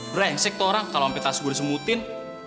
brengsek tuh orang kalo ampik tas gue disemutin